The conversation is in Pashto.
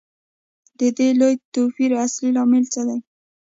د دې لوی توپیر اصلي لامل څه دی